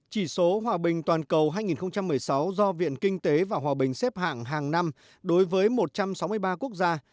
chỉ số hòa bình toàn cầu hai nghìn một mươi sáu do viện kinh tế và hòa bình xếp hạng hàng năm đối với một trăm sáu mươi ba quốc gia